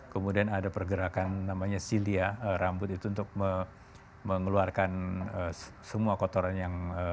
kemudian ada pergerakan namanya silia rambut itu untuk mengeluarkan semua kotoran yang